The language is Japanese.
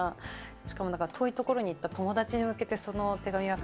しかも遠いところに行った友達に向けてその手紙は書いたんだよって